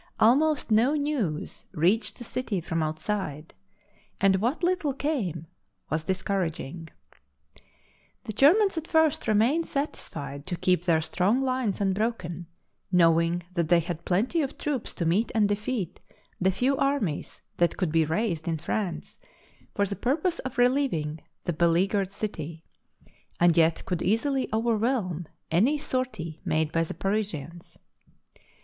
Almost no news reached the city from outside, and what little came was discouraging. The Germans at first remained satisfied to keep their strong lines unbroken, knowing that they had plenty of troops to meet and defeat the few armies that could be raised in France for the purpose of relieving the beleaguered city, and yet could easily overwhelm any sortie made by the Parisians.